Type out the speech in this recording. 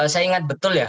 saya ingat betul ya